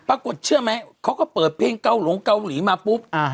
ปรากฏเชื่อไหมเขาก็เปิดเพลงเกาหลงเกาหลีมาปุ๊บ